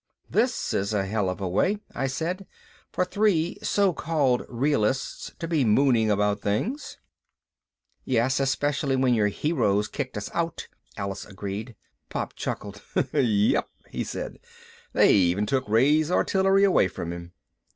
"This is a hell of a way," I said, "for three so called realists to be mooning about things." "Yes, especially when your heroes kicked us out," Alice agreed. Pop chuckled. "Yep," he said, "they even took Ray's artillery away from him."